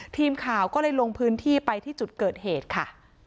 ทีมข่าวก็เลยลงพื้นที่ไปที่จุดเกิดเหตุค่ะ